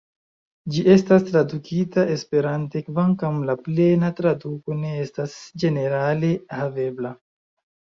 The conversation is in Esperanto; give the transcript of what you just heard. Ĝi estas tradukita Esperante, kvankam la plena traduko ne estas ĝenerale havebla.